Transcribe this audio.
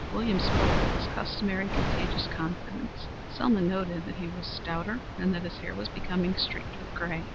Williams spoke with his customary contagious confidence. Selma noted that he was stouter and that his hair was becomingly streaked with gray.